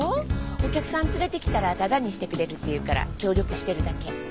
お客さん連れてきたらタダにしてくれるっていうから協力してるだけ。